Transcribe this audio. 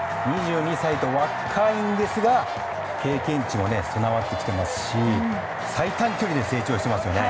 ２２歳と、若いんですが経験値も備わってきていますし最短距離で成長していますよね。